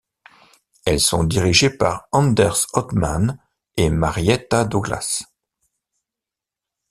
Elles sont dirigées par Anders Ödman et Marietta Douglas.